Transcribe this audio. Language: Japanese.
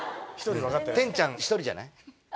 天ちゃん１人じゃない？